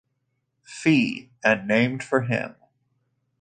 Fee, and named for him.